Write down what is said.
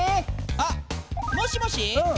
あっもしもし。